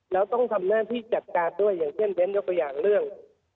แล้วต้องทำหน้าที่จัดการด้วยอย่างเช่นเว้นยกตัวอย่างเรื่อง